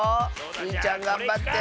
スイちゃんがんばって！